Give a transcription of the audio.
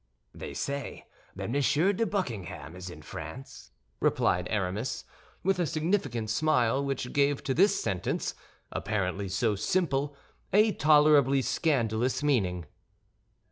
"They say that Monsieur de Buckingham is in France," replied Aramis, with a significant smile which gave to this sentence, apparently so simple, a tolerably scandalous meaning.